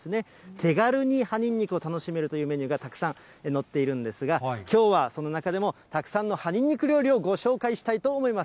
手軽に葉ニンニクを楽しめるというメニューがたくさん載っているんですが、きょうはその中でも、たくさんの葉ニンニク料理をご紹介したいと思います。